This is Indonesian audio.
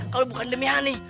kalo bukan demi hani